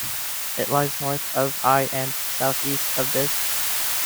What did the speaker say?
It lies north of Eye and south-east of Diss.